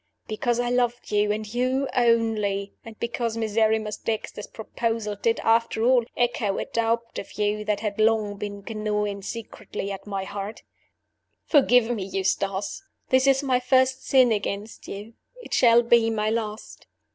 Because I loved you, and you only; and because Miserrimus Dexter's proposal did, after all, echo a doubt of you that had long been gnawing secretly at my heart. "Forgive me, Eustace! This is my first sin against you. It shall be my last.